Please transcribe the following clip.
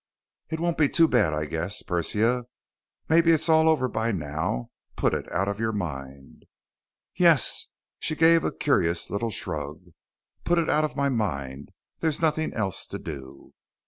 It won't be too bad, I guess, Persia. Maybe it's all over by now. Put it out of your mind." "Yes." She gave a curious little shrug. "Put it out of my mind. There's nothing else to do."